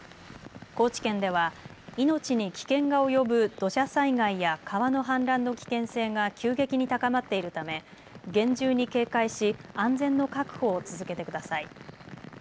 高知県では命に危険が及ぶ土砂災害や川の氾濫の危険性が急激に高まっているため厳重に警戒し安全の確保を続けてください。